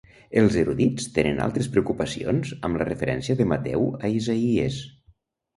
Els erudits tenen altres preocupacions amb la referència de Mateu a Isaïes.